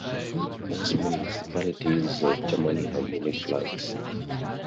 Most municipalities of Germany have unique flags.